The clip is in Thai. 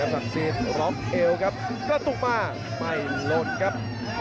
สักดิ์สิทธิ์รอบเอวครับก็ตุกมาไม่ลดครับ